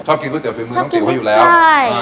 ชอบกินก๋วยเตี๋ยวเฟย์มือน้องติ๋วเขาอยู่แล้วอเรนนี่ใช่